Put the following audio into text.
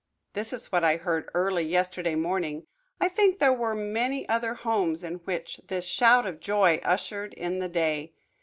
This is what I heard early yesterday morning. I think there were many other homes in which this shout of joy ushered in the day.